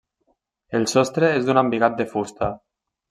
El sostre és d'un embigat de fusta.